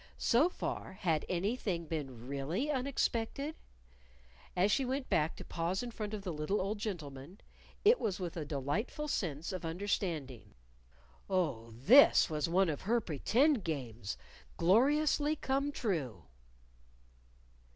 So far had anything been really unexpected? As she went back to pause in front of the little old gentleman, it was with a delightful sense of understanding. Oh, this was one of her pretend games, gloriously come true!